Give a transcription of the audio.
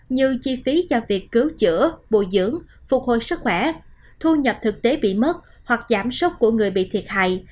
như chi phí cho việc cứu chữa bồi dưỡng phục hồi sức khỏe thu nhập thực tế bị mất hoặc giảm sốc của người bị thiệt hại